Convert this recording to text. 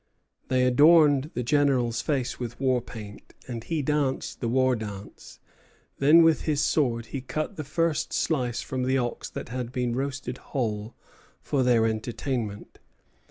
They adorned the General's face with war paint, and he danced the war dance; then with his sword he cut the first slice from the ox that had been roasted whole for their entertainment.